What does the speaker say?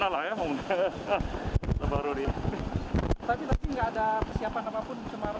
agaknya dari ptsl kali